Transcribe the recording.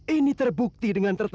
ini terbukti dengan tertentu